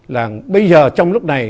là bây giờ trong lúc này